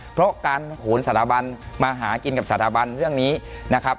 เพราะการโหนสถาบันมาหากินกับสถาบันเรื่องนี้นะครับ